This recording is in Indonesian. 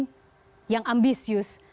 pemimpin yang ambisius